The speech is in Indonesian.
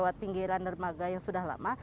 di dermaga yang sudah lama